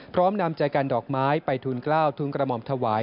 พร้อมนำใจกันดอกไม้ไปทุนกล้าวทุนกระหม่อมถวาย